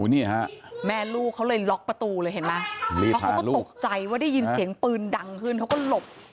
นี่ฮะแม่ลูกเขาเลยล็อกประตูเลยเห็นไหมเพราะเขาก็ตกใจว่าได้ยินเสียงปืนดังขึ้นเขาก็หลบ